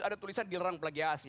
ada tulisan dilarang plagiasi